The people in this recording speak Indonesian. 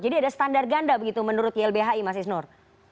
jadi ada standar ganda menurut ylbhi mas isnur